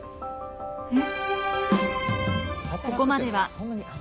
えっ？